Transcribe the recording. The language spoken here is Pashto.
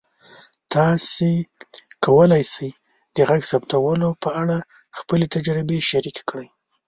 تاسو کولی شئ د غږ ثبتولو په اړه خپلې تجربې شریکې کړئ.